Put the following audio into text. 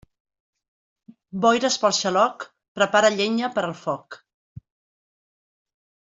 Boires pel xaloc, prepara llenya per al foc.